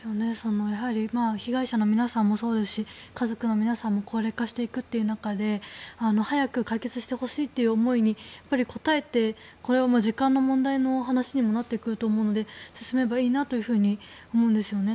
被害者の皆さんもそうですし家族の皆さんも高齢化していく中で早く解決してほしいという思いに応えて時間の問題の話にもなってくると思うので進めばいいなと思うんですよね。